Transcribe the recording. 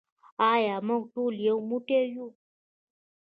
آیا موږ ټول یو موټی یو؟